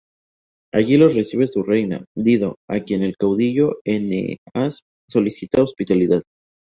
Allí los recibe su reina, Dido, a quien el caudillo Eneas solicita hospitalidad.